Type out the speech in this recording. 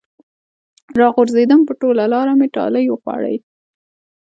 راغورځېدم په ټوله لاره مې ټالۍ وخوړې